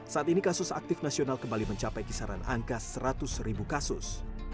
saat ini kasus aktif nasional kembali mencapai kisaran angka seratus ribu kasus